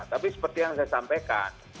tapi seperti yang saya sampaikan